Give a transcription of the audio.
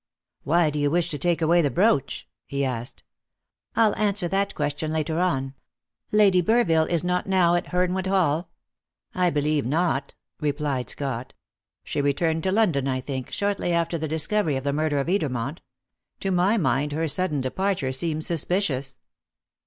"Why do you wish to take away the brooch?" he asked. "I'll answer that question later on. Lady Burville is not now at Hernwood Hall?" "I believe not," replied Scott. "She returned to London, I think, shortly after the discovery of the murder of Edermont. To my mind, her sudden departure seems suspicious."